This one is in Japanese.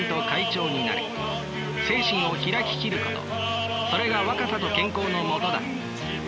精神をひらききることそれが若さと健康のもとだ。